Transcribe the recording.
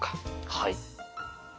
はい。